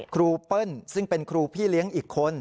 เปิ้ลซึ่งเป็นครูพี่เลี้ยงอีกคน